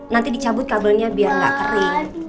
nanti dicabut kabelnya biar nggak kering